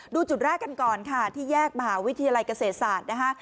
ดูจุดแรกกันก่อนค่ะที่แยกมหาวิทยาลัยเกษตรศาสตร์นะคะ